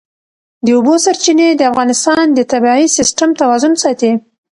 د اوبو سرچینې د افغانستان د طبعي سیسټم توازن ساتي.